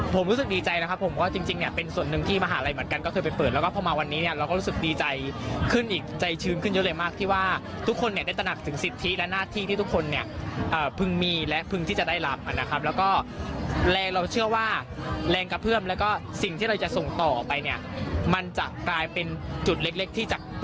ผมรู้สึกดีใจนะครับผมว่าจริงเนี่ยเป็นส่วนหนึ่งที่มหาลัยเหมือนกันก็เคยไปเปิดแล้วก็พอมาวันนี้เนี่ยเราก็รู้สึกดีใจขึ้นอีกใจชื้นขึ้นเยอะเลยมากที่ว่าทุกคนเนี่ยได้ตระหนักถึงสิทธิและหน้าที่ที่ทุกคนเนี่ยพึงมีและพึงที่จะได้รับนะครับแล้วก็แรงเราเชื่อว่าแรงกระเพื่อมแล้วก็สิ่งที่เราจะส่งต่อไปเนี่ยมันจะกลายเป็นจุดเล็กที่จะ